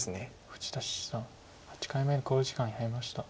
富士田七段８回目の考慮時間に入りました。